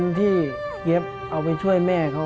เงินที่เก็บเอาไปช่วยแม่เขา